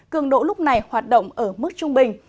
cường độ lúc này hoạt động ở mức trung bình